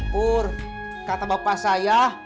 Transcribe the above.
pur kata bapak saya